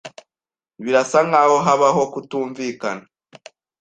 Birasa nkaho habaho kutumvikana.